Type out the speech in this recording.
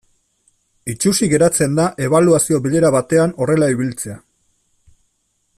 Itsusi geratzen da ebaluazio bilera batean horrela ibiltzea.